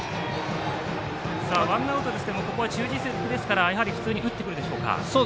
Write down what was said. ワンアウトですけれどもここは中軸ですから普通に打ってくるでしょうか。